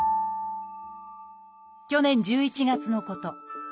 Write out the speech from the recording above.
去年１１月のこと。